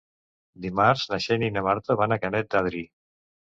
Dimarts na Xènia i na Marta van a Canet d'Adri.